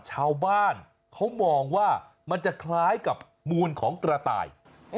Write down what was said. ชาวบ้านเขามองว่ามันจะคล้ายกับมูลของกระต่าย